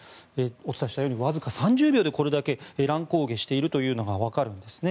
お伝えしたようにわずか３０秒でこれだけ乱高下しているのが分かるんですね。